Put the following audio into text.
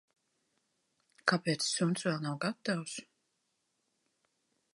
Kāpēc suns vēl nav gatavs?